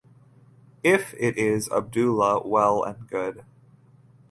If it is Abdullah well and good.